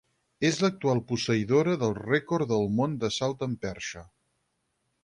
És l'actual posseïdora del rècord del món de salt amb perxa.